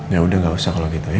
ya udah gak usah kalau gitu ya